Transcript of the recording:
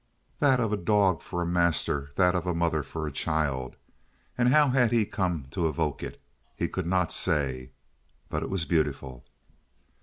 That of a dog for a master; that of a mother for a child. And how had he come to evoke it? He could not say, but it was beautiful.